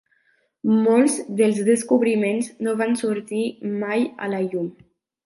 Molts dels descobriments no van sortir mai a la llum.